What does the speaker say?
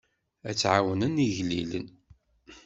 Ad ɛawnen igellilen.